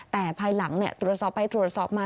แต่ภายหลังตรวจสอบไปตรวจสอบมา